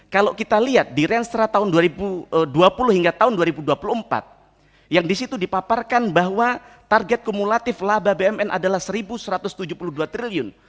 kalau kita lihat di renstra tahun dua ribu dua puluh hingga tahun dua ribu dua puluh empat yang disitu dipaparkan bahwa target kumulatif laba bmn adalah rp satu satu ratus tujuh puluh dua triliun